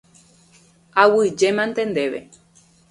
Aguyjémante ndéve.